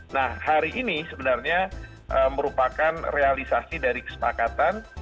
nah hari ini sebenarnya merupakan realisasi dari kesepakatan